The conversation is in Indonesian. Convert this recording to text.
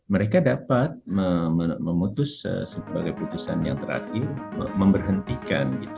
mereka dapat memutus sebagai putusan yang terakhir memberhentikan